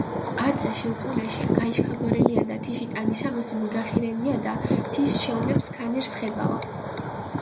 არძაში უკულაში გაიშქაგორენიადა, თიში ტანისამოსი მიგახირენიადა, თის შეულებჷ სქანი რსხებავა.